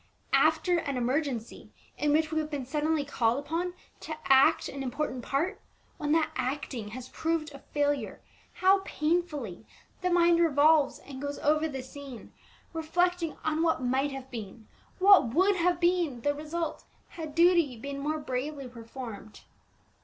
After an emergency in which we have been suddenly called upon to act an important part, when that acting has proved a failure, how painfully the mind revolves and goes over the scene, reflecting on what might have been, what would have been, the result, had duty been more bravely performed.